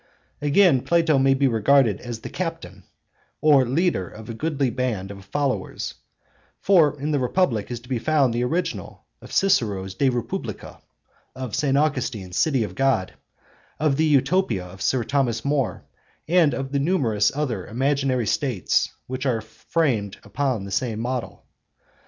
Again, Plato may be regarded as the 'captain' ('arhchegoz') or leader of a goodly band of followers; for in the Republic is to be found the original of Cicero's De Republica, of St. Augustine's City of God, of the Utopia of Sir Thomas More, and of the numerous other imaginary States which are framed upon the same model.